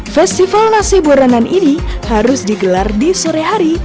festival nasi boranan ini harus digelar di sore hari